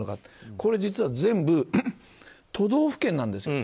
これ実は、全部都道府県なんです。